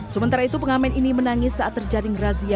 sementara itu pengamen ini menangis saat terjaring razia